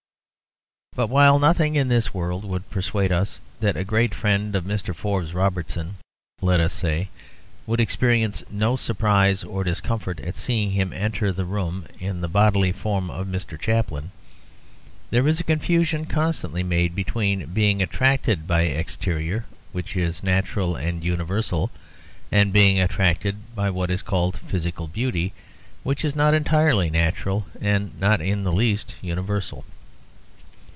But while nothing in this world would persuade us that a great friend of Mr. Forbes Robertson, let us say, would experience no surprise or discomfort at seeing him enter the room in the bodily form of Mr. Chaplin, there is a confusion constantly made between being attracted by exterior, which is natural and universal, and being attracted by what is called physical beauty, which is not entirely natural and not in the least universal.